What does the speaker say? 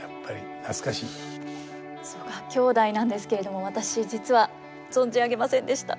曽我兄弟なんですけれども私実は存じ上げませんでした。